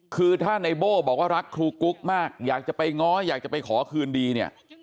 คือถ้าในโบ้บอกว่ารักครูกุ๊กมากอยากจะไปง้ออยากจะไปขอคืนดีเนี่ย